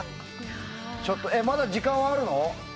まだ時間あるの？